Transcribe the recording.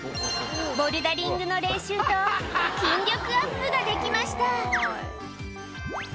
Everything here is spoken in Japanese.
ボルダリングの練習と筋力アップができました。